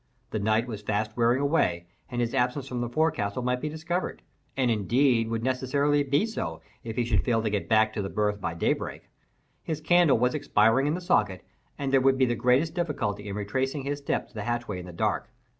The night was fast wearing away, and his absence from the forecastle might be discovered; and indeed would necessarily be so, if he should fail to get back to the berth by daybreak. His candle was expiring in the socket, and there would be the greatest difficulty in retracing his way to the hatchway in the dark.